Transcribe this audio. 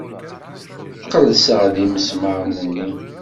Qelɛeɣ-d imesmaṛen-nni.